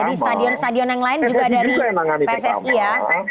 jadi stadion stadion yang lain juga dari pssi ya